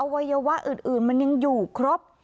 วัยวะอื่นมันยังอยู่ครบ